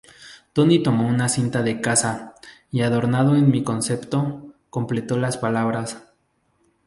Tony tomó una cinta de casa, y adornado en mi concepto, completó las palabras".